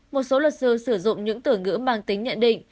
một số luật sư sử dụng những từ ngữ mang tính nhận định